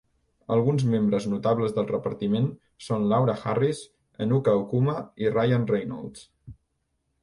Alguns membres notables del repartiment són Laura Harris, Enuka Okuma i Ryan Reynolds.